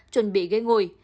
chuẩn bị gây ngùi